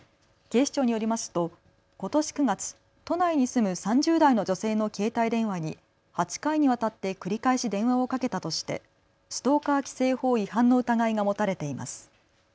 警視庁によりますとことし９月、都内に住む３０代の女性の携帯電話に８回にわたって繰り返し電話をかけたとしてストーカー規制法違反の疑いが持たれています。